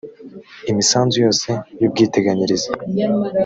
imisanzu yose y ubwiteganyirize